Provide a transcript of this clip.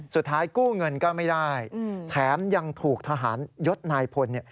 สุดท้ายกู้เงินก็ไม่ได้แถมยังถูกทหารยศนายพล